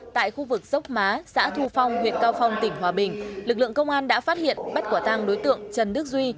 tại khu vực dốc má xã thu phong huyện cao phong tỉnh hòa bình lực lượng công an đã phát hiện bắt quả tăng đối tượng trần đức duy